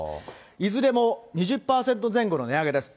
いずれも２０％前後の値上げです。